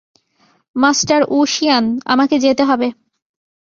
Master ঊশিয়ান, আমাকে যেতে হবে।